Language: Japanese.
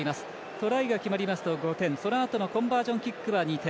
トライが決まりますと５点そのあとのコンバージョンキックは２点。